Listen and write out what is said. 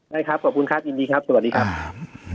ได้ครับขอบคุณครับยินดีครับสวัสดีครับ